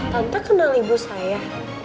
tante kenal ibu saya